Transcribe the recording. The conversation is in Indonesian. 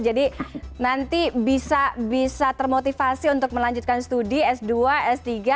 jadi nanti bisa termotivasi untuk melanjutkan studi s dua s tiga